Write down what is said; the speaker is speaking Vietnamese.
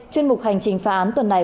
chuyên mục hành trình phá án tuần này